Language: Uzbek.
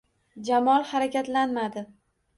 Jamol harakatlanmadi